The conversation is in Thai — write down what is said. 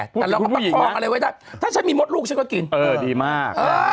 ประคองผู้หญิงถ้ามีมดลูกก็กินโอ้ดีมาก